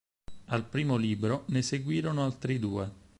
Al primo libro ne seguirono altri due.